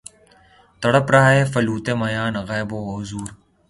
تڑپ رہا ہے فلاطوں میان غیب و حضور